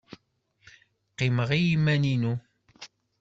Qqimeɣ i yiman-inu.